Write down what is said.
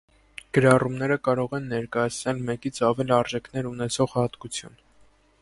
Գրառումները կարող են ներկայացնել մեկից ավել արժեքներ ունեցող հատկություն։